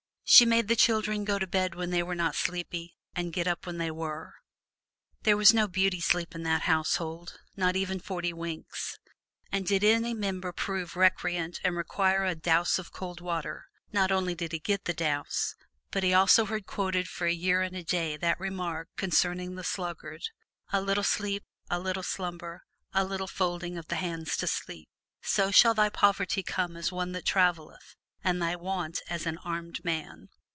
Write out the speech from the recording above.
She made the children go to bed when they were not sleepy and get up when they were. There was no beauty sleep in that household, not even forty winks; and did any member prove recreant and require a douse of cold water, not only did he get the douse but he also heard quoted for a year and a day that remark concerning the sluggard, "A little sleep, a little slumber, a little folding of the hands to sleep: so shall thy poverty come as one that traveleth, and thy want as an armed man."